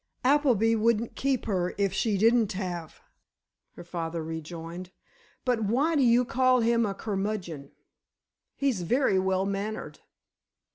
"Appleby wouldn't keep her if she didn't have," her father rejoined; "but why do you call him a curmudgeon? He's very well mannered."